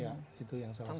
ya itu yang salah